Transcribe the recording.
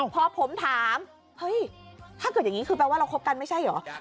พอผมถามเฮ้ยถ้าเกิดอย่างนี้คือแปลว่าเราคบกันไม่ใช่เหรอ